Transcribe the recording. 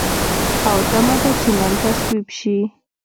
او تمه ده چې نن تصویب شي.